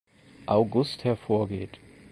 August hervorgeht.